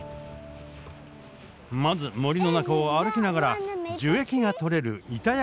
まず森の中を歩きながら樹液が採れるイタヤ